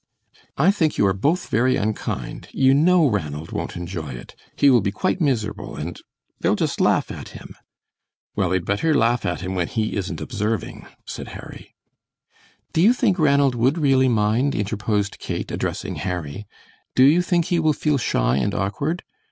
"I think you are both very unkind. You know Ranald won't enjoy it. He will be quite miserable, and they'll just laugh at him!" "Well, they'd better laugh at him when he isn't observing," said Harry. "Do you think Ranald would really mind?" interposed Kate, addressing Harry. "Do you think he will feel shy and awkward?